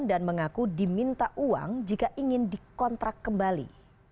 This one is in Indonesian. dan mengaku diminta uang jika ingin dikontrak kembali